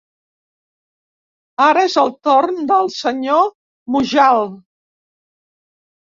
Ara és el torn del senyor Mujal.